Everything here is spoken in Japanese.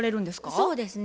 そうですね。